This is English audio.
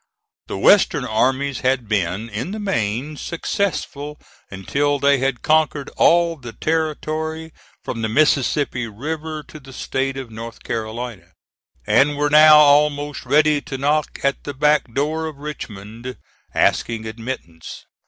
The Western armies had been in the main successful until they had conquered all the territory from the Mississippi River to the State of North Carolina, and were now almost ready to knock at the back door of Richmond, asking admittance.